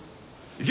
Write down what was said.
行け！